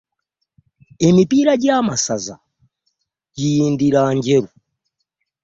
Emipiira gya masaza giyindira njeru.